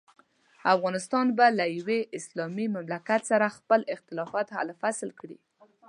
افغانستان به له یوه اسلامي مملکت سره خپل اختلافات حل او فصل کړي.